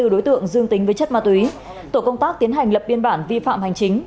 hai mươi đối tượng dương tính với chất ma túy tổ công tác tiến hành lập biên bản vi phạm hành chính